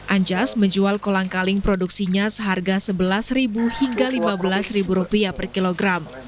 anjas menjual kolang kaling produksinya seharga rp sebelas hingga rp lima belas per kilogram